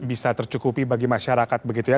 bisa tercukupi bagi masyarakat begitu ya